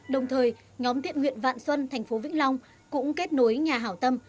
đồng thời nhóm tiện huyện vạn xuân thành phố vĩnh long cũng kết nối nhà hảo tâm